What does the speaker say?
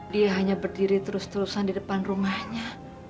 dia hanya berdiri terus terusan di depan rumahnya